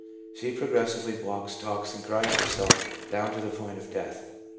She progressively walks, talks, and cries herself down to the point of death.